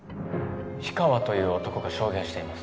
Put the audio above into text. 氷川という男が証言しています。